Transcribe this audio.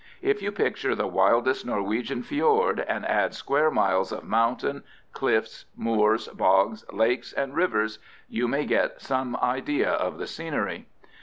If you picture the wildest Norwegian fjord, and add square miles of mountain, cliffs, moors, bogs, lakes, and rivers, you may get some idea of the scenery.